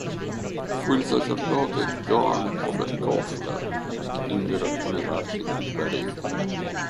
Fu il sacerdote Johann Oberkofler a dipingere alcune parti delle pareti.